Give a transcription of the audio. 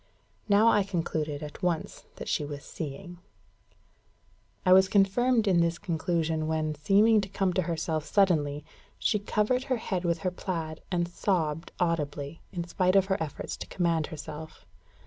Now I concluded at once that she was seeing. I was confirmed in this conclusion when, seeming to come to herself suddenly, she covered her head with her plaid, and sobbed audibly, in spite of her efforts to command herself.